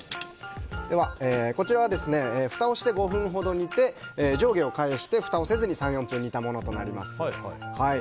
こちらはふたをして５分ほど煮て上下を返してふたをせずに３４分煮たものとなります。